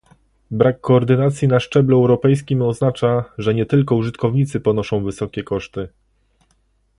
Brak koordynacji na szczeblu europejskim oznacza, że nie tylko użytkownicy ponoszą wysokie koszty